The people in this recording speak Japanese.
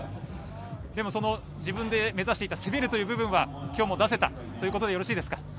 自分で目指していた攻めるという部分は今日も出せたということでよろしいですか？